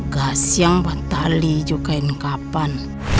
gak siang pak tali juga ingin kapan